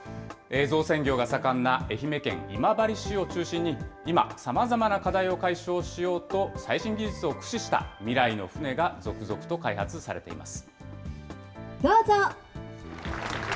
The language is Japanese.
造船業が盛んな愛媛県今治市を中心に、今、さまざまな課題を解消しようと、最新技術を駆使した未来の船が続どうぞ。